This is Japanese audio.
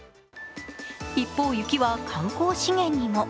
一方、雪は観光資源にも。